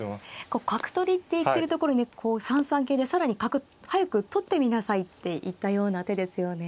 こう角取りっていってるところに３三桂で更に角早く取ってみなさいっていったような手ですよね。